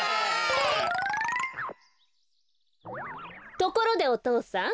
ところでおとうさん。